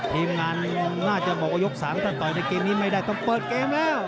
ทีมงานน่าจะบอกว่ายก๓ถ้าต่อยในเกมนี้ไม่ได้ต้องเปิดเกมแล้ว